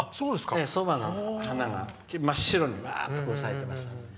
そばの花が真っ白に、わーって咲いてました。